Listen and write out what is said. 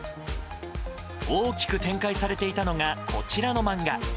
大きく展開されていたのがこちらの漫画。